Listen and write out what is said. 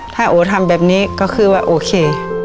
ถ้าโอทำแบบนี้ก็คือว่าโอเค